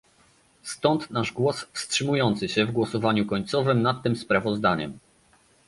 Stąd nasz głos wstrzymujący się w głosowaniu końcowym nad tym sprawozdaniem